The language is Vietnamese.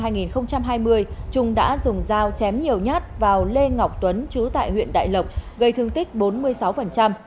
năm hai nghìn hai mươi trung đã dùng dao chém nhiều nhát vào lê ngọc tuấn chú tại huyện đại lộc gây thương tích bốn mươi sáu